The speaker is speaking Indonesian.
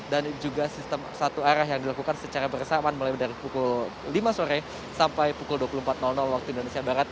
dan juga sistem satu arah yang dilakukan secara bersamaan mulai dari pukul lima sore sampai pukul dua puluh empat waktu indonesia barat